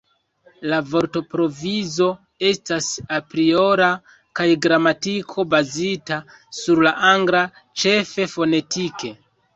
La vortprovizo estas apriora kaj gramatiko bazita sur la angla, ĉefe fonetike.